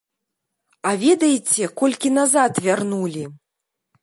А ведаеце, колькі назад вярнулі?